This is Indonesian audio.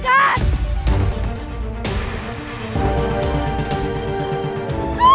elu tuh kenapa sih